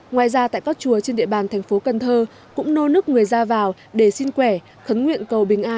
ngoài ra tại các chùa trên địa bàn thành phố cần thơ cũng nô nức người ra vào để xin khỏe khấn nguyện cầu bình an cho gia đạo